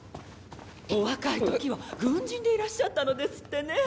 お若いときは軍人でいらっしゃったのですってね。